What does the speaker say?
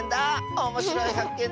おもしろいはっけん